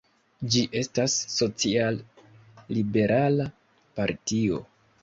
Ĝi estas social-liberala partio.